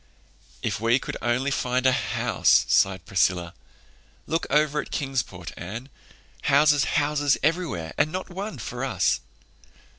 "If we could only find a house!" sighed Priscilla. "Look over there at Kingsport, Anne—houses, houses everywhere, and not one for us."